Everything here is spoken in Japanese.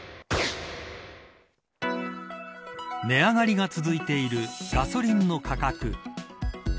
値上がりが続いているガソリンの価格。